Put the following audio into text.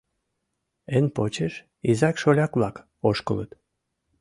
Эн почеш изак-шоляк-влак ошкылыт.